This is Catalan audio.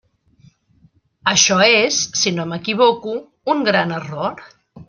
Això és, si no m'equivoco, un gran error.